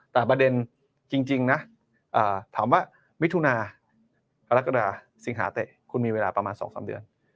แต่ประเด็นจริงนะถามว่ามิถุนากรกฎาสิงหาเตะคุณมีเวลาประมาณ๒๓เดือน